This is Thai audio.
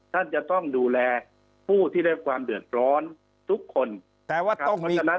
ท่านจะต้องดูแลผู้ที่ได้รับความเดือนร้อนทุกคน